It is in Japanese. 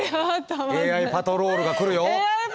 ＡＩパトロールが来るよ。